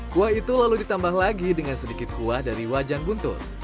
kuah itu lalu ditambah lagi dengan sedikit kuah dari wajan buntut